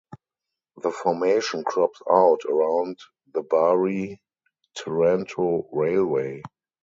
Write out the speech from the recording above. The formation crops out around the Bari–Taranto railway.